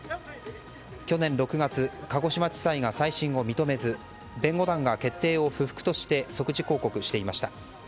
去年６月、鹿児島地裁が再審を認めず弁護団が決定を不服として即時抗告していました。